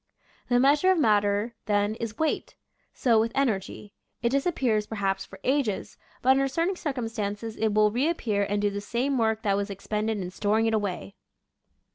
The measure of matter, then, is Weight. So with Energy; it disappears perhaps for ages, but under certain circumstances it will reap pear and do the same work that was expended in storing it away.